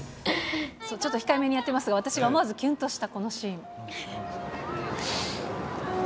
ちょっと控えめにやってますが、私が思わずきゅんとしたこのシーン。